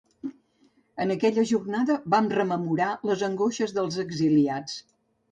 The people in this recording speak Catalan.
En aquella jornada vam rememorar les angoixes dels exiliats.